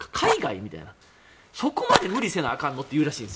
みたいなそこまで無理せなあかんの？っていうらしいんです。